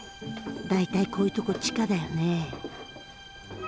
大体こういうとこ地下だよね。